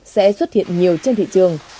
sẽ xuất hiện nhiều trên thị trường